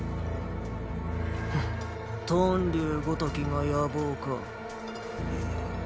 フッ屯留ごときが野望か。！